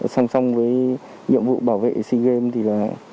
song song với nhiệm vụ bảo vệ sea games thì là